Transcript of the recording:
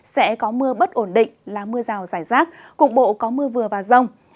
sẽ có mưa bất ổn định là mưa rào rải rác cục bộ có mưa vừa và rông